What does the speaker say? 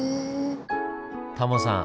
タモさん